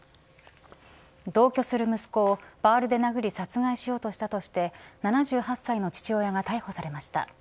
同居する息子をバールで殴り殺害しようとしたとして７８歳の父親が逮捕されました。